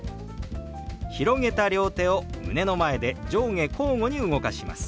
広げた両手を胸の前で上下交互に動かします。